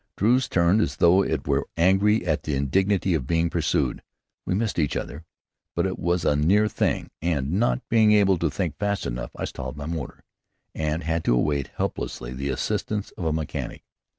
Drew's turned as though it were angry at the indignity of being pursued. We missed each other, but it was a near thing, and, not being able to think fast enough, I stalled my motor, and had to await helplessly the assistance of a mechanic.